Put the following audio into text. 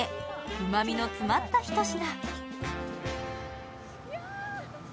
うまみの詰まったひと品。